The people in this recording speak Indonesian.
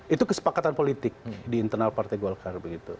itu kesepakatan politik di internal partai golkar begitu